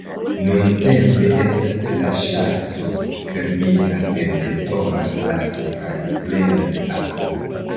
Nuntempe estas la ŝakto fermita per betona plato kaj plena de akvo.